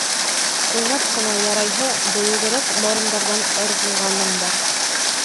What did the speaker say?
— Уйнап ҡына ярайһы бейегерәк морондарҙан ырғығаным бар.